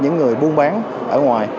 những người buôn bán ở ngoài